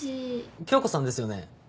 響子さんですよね。